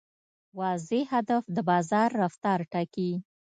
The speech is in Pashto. واضح هدف د بازار رفتار ټاکي.